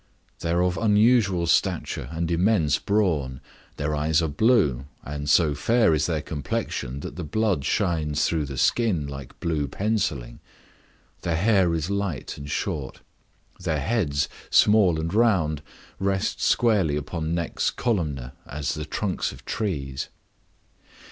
They are of unusual stature and immense brawn; their eyes are blue, and so fair is their complexion that the blood shines through the skin like blue pencilling; their hair is light and short; their heads, small and round, rest squarely upon necks columnar as the trunks of trees.